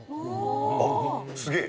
あっ、すげえ。